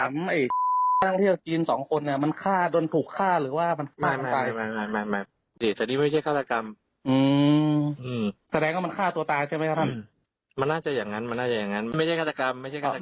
มันน่าจะอย่างนั้นมันน่าจะอย่างนั้นไม่ใช่ฆ่าตกรรมไม่ใช่ฆ่าตกรรม